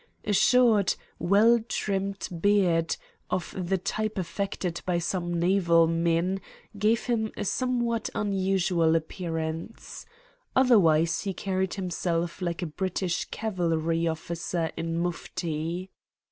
A short, well trimmed beard, of the type affected by some naval men, gave him a somewhat unusual appearance. Otherwise he carried himself like a British cavalry officer in mufti.